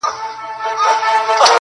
یوه ورځ راته دا فکر پیدا نه سو!.